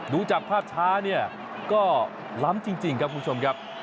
รู้จักภาพช้าก็ล้ำจริงครับคุณผู้ชม